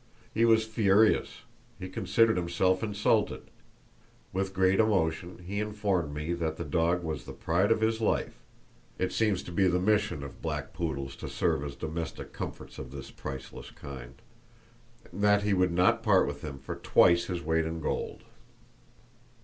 He was furious—he considered himself insulted; with great emotion he informed me that the dog was the pride of his life (it seems to be the mission of black poodles to serve as domestic comforts of this priceless kind!), that he would not part with him for twice his weight in gold.